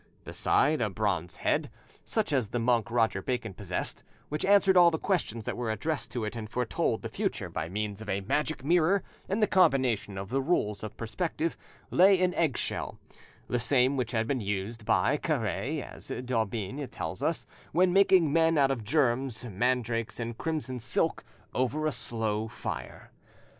Beside a bronze head, such as the monk Roger Bacon possessed, which answered all the questions that were addressed to it and foretold the future by means of a magic mirror and the combination of the rules of perspective, lay an eggshell, the same which had been used by Caret, as d'Aubigne tells us, when making men out of germs, mandrakes, and crimson silk, over a slow fire.